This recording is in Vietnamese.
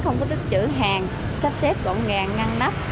không có tích chữ hàng sắp xếp gọn gàng ngăn nắp